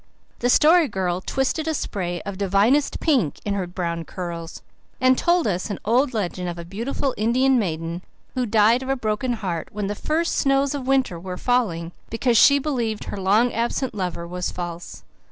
The Story Girl twisted a spray of divinest pink in her brown curls, and told us an old legend of a beautiful Indian maiden who died of a broken heart when the first snows of winter were falling, because she believed her long absent lover was false.